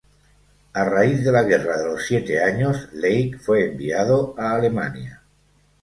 A raíz de la Guerra de los Siete Años, Lake fue enviado a Alemania.